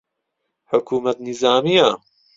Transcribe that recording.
حکوومەت نیزامییە